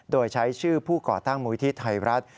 โดยใช้ชื่อผู้ก่อตั้งมูลิธิไทยรัฐ